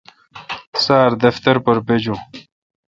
سار دفتر پر بجون۔